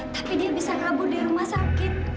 tapi dia bisa kabur di rumah sakit